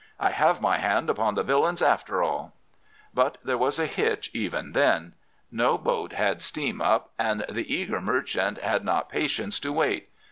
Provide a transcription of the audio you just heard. I have my hand upon the villains after all!' "But there was a hitch even then. No boat had steam up, and the eager merchant had not patience to wait.